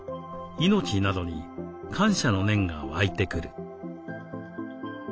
命などに感謝の念が湧いてくる。